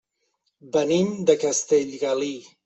Venim de Castellgalí.